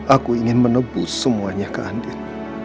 aku ingin menebus semuanya ke andik